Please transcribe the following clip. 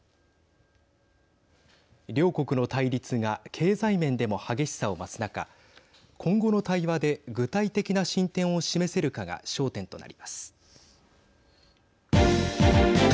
両国の対立が経済面でも激しさを増す中今後の対話で具体的な進展を示せるかが焦点となります。